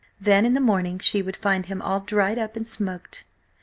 Then in the morning she would find him all dried up and smoked!